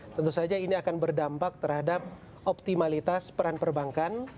tentu saja ini akan berdampak terhadap optimalitas peran perbankan